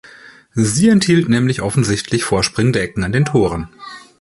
Sie enthielt nämlich offensichtlich vorspringende Ecken an den Toren.